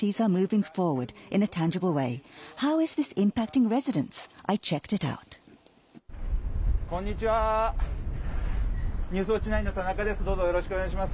ニュースウオッチ９の田中です。